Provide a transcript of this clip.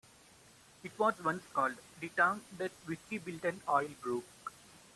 It was once called ...the town that whisky built and oil broke.